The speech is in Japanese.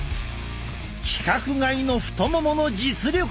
規格外の太ももの実力やいかに！